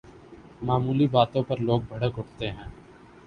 معمولی باتوں پر لوگ بھڑک اٹھتے ہیں۔